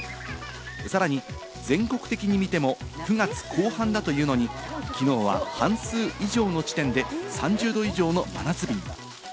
さらに、全国的に見ても９月後半だというのに、きのうは半数以上の地点で３０度以上の真夏日に。